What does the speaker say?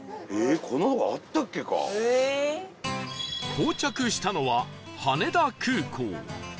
到着したのは羽田空港